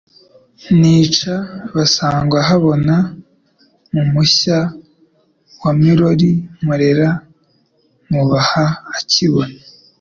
Nica Bisangwahabona mu Mushya wa MuroriMporera Nubaha akibona.